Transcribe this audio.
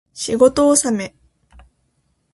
仕事納め